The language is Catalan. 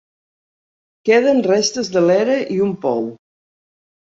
Queden restes de l'era i un pou.